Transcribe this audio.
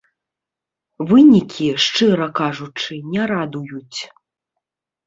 Вынікі, шчыра кажучы, не радуюць.